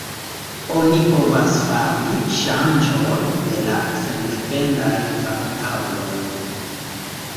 Oni povas fari ŝanĝon de la sendependaj variabloj.